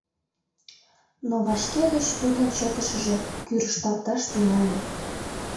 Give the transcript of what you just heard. Но вашке гыч тудын чытышыже кӱрышталташ тӱҥале.